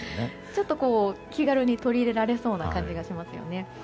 ちょっと気軽に取り入れられそうな感じがしますよね。